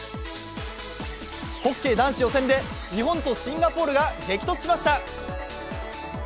ホッケー男子予選で日本とシンガポールが激突しました。